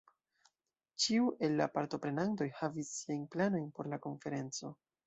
Ĉiu el la partoprenantoj havis siajn planojn por la konferenco.